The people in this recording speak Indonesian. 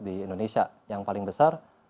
di indonesia yang paling besar